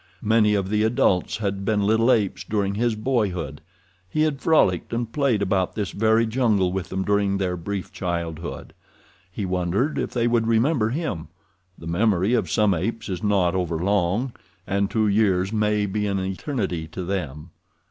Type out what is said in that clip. Many of the adults had been little apes during his boyhood. He had frolicked and played about this very jungle with them during their brief childhood. He wondered if they would remember him—the memory of some apes is not overlong, and two years may be an eternity to them.